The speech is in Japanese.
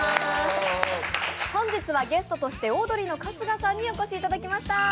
本日はゲストとしてオードリーの春日さんにお越しいただきました。